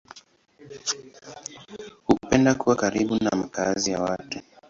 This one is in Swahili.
Hupenda kuwa karibu na makazi ya watu.